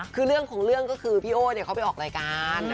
คือเรื่องของเรื่องก็คือพี่โอ้เขาไปออกรายการ